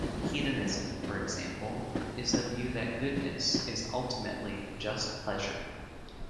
Hedonism, for example, is the view that goodness is ultimately just pleasure.